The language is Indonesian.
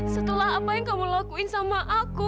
setelah apa yang kamu lakuin sama aku